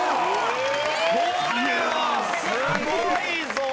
これはすごいぞ！